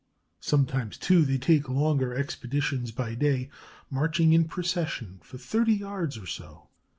Sometimes, too, they take longer expeditions by day, marching in procession for thirty yards or so.